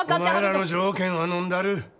お前らの条件はのんだる。